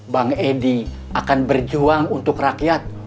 bang edi akan berjuang untuk rakyat